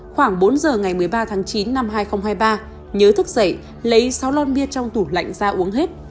khoảng bốn giờ ngày một mươi ba tháng chín năm hai nghìn hai mươi ba nhớ thức dậy lấy sáu lon bia trong tủ lạnh ra uống hết